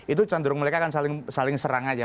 itu cenderung mereka akan saling serang aja